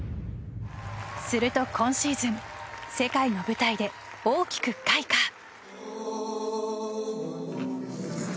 すると今シーズン世界の舞台で大きく開花。